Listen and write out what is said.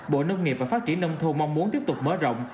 bộ nông nghiệp và phát triển nông thôn mong muốn tiếp tục mở rộng